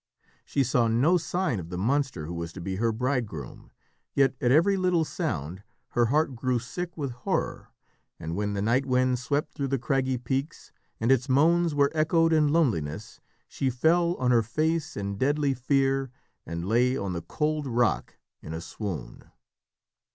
She saw no sign of the monster who was to be her bridegroom, yet at every little sound her heart grew sick with horror, and when the night wind swept through the craggy peaks and its moans were echoed in loneliness, she fell on her face in deadly fear and lay on the cold rock in a swoon.